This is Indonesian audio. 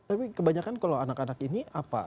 tapi kebanyakan kalau anak anak ini apa